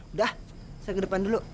udah saya ke depan dulu